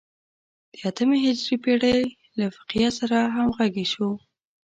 د اتمې هجري پېړۍ له فقیه سره همغږي شو.